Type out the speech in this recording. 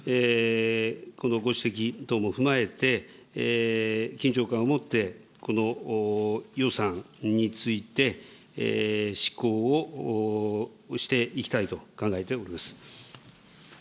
このご指摘等も踏まえて、緊張感を持って、この予算について、執行をしていきたいと考えております。